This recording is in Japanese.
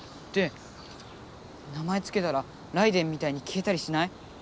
って名前つけたらライデェンみたいにきえたりしない？